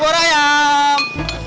buah buah ayam